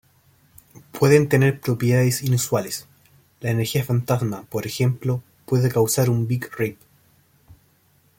Pueden tener propiedades inusuales: la energía fantasma, por ejemplo, puede causar un Big Rip.